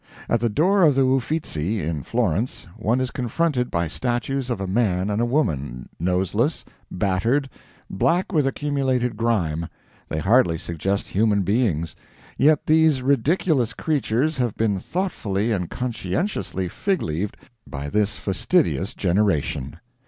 At the door of the Uffizzi, in Florence, one is confronted by statues of a man and a woman, noseless, battered, black with accumulated grime they hardly suggest human beings yet these ridiculous creatures have been thoughtfully and conscientiously fig leaved by this fastidious generation.